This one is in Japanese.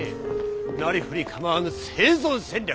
なりふり構わぬ生存戦略！